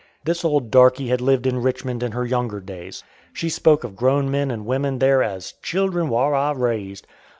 This old darkey had lived in Richmond in her younger days. She spoke of grown men and women there as "children whar I raised."